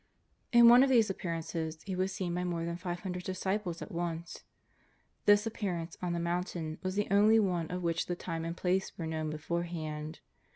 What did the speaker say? In one of these Appearances He was seen by more than five hundred disciples at once. This Appearance on the mountain was the only one of which the time and place were known beforehand.